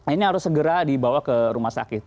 ini harus segera dibawa ke rumah sakit